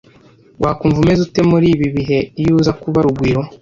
Wakumva umeze ute muri ibi bihe iyo uza kuba Rugwiro?